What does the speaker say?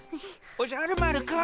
おじゃる丸くん。